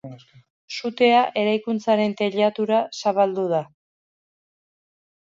Sutea eraikuntzaren teilatura zabaldu da.